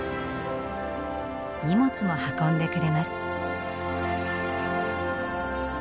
荷物も運んでくれます。